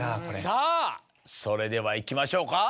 さぁそれではいきましょうか。